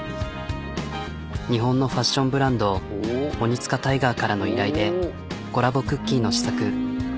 日本のファッションブランドＯｎｉｔｓｕｋａＴｉｇｅｒからの依頼でコラボクッキーの試作。